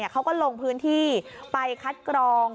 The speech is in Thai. เขาก็ลงพื้นที่ไปคัดกรอง